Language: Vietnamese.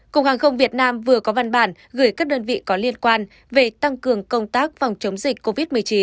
cục hàng không việt nam vừa có văn bản gửi các đơn vị có liên quan về tăng cường công tác phòng chống dịch covid một mươi chín